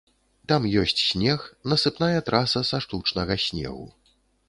Там ёсць снег, насыпная траса са штучнага снегу.